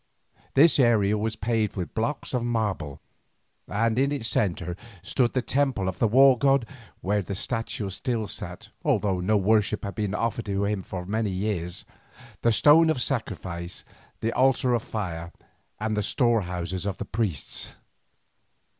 This area was paved with blocks of marble, and in its centre stood the temple of the war god, where his statue still sat, although no worship had been offered to him for many years; the stone of sacrifice, the altar of fire, and the storehouses of the priests.